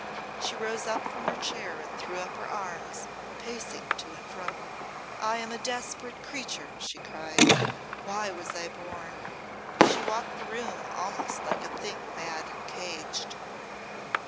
She rose up from her chair and threw up her arms, pacing to and fro. "I am a desperate creature," she cried. "Why was I born?" She walked the room almost like a thing mad and caged.